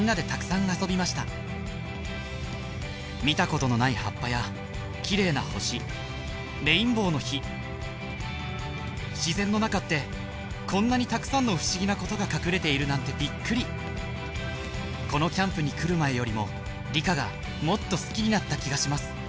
見たことのない葉っぱや綺麗な星レインボーの火自然の中ってこんなにたくさんの不思議なことが隠れているなんてびっくりこのキャンプに来る前よりも理科がもっと好きになった気がします